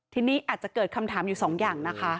ทีนี้อาจจะเกิดคำถามอยู่สองอย่างนะคะ